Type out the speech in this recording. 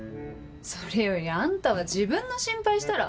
それよりあんたは自分の心配したら？